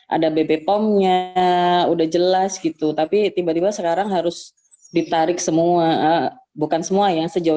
ada bbpm nya udah jelas gitu tapi tiba tiba sekarang harus ditarik bukan semua yang sejauh